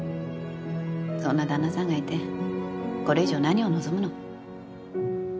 そんな旦那さんがいてこれ以上何を望むの？